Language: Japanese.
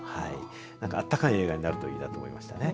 あったかい映画になるといいなと思いました。